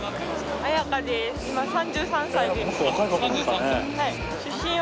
３３歳？